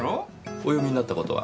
お読みになった事は？